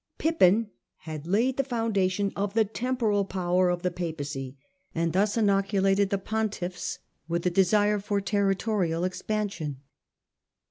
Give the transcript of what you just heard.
Pippin had laid the foundation of the temporal power of the Papacy and thus inocu lated the pontiffs with the desire for territorial expansion.